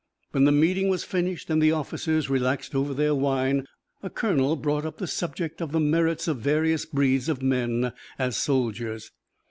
When the meeting was finished and the officers relaxed over their wine, a colonel brought up the subject of the merits of various breeds of men as soldiers.